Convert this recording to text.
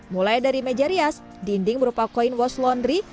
mulai dari meja rias dinding berupa koin wash laundry